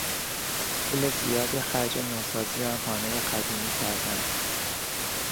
پول زیادی خرج نوسازی آن خانهی قدیمی کردند.